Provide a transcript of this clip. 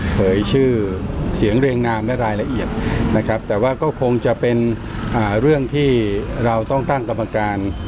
เผยชื่อเสียงนามและรายละเอียดแต่ว่าก็คงจะเป็นอ่าเรื่องที่เราต้องตั้งกรรมการ